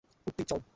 কুট্টি, চল!